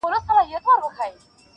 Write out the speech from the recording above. تش په نام اسلام اباده سې برباده,